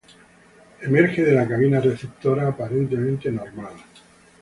Emerge de la cabina receptora aparentemente normal.